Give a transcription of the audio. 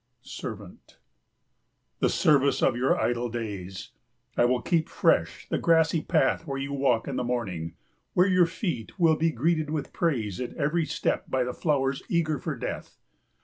SERVANT. The service of your idle days. I will keep fresh the grassy path where you walk in the morning, where your feet will be greeted with praise at every step by the flowers eager for death.